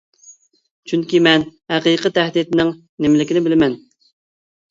چۈنكى مەن ھەقىقىي تەھدىتنىڭ نېمىلىكىنى بىلىمەن.